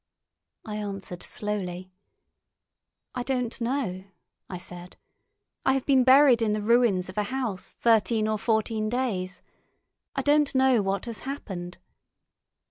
I answered slowly. "I don't know," I said. "I have been buried in the ruins of a house thirteen or fourteen days. I don't know what has happened."